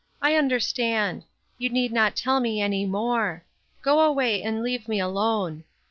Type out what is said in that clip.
" I understand ; you need not tell me any more ; go away, and leave me alone."